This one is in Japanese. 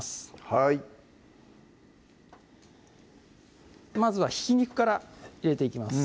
はいまずはひき肉から入れていきます